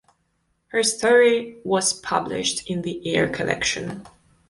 Her story was published in the 'Air' collection.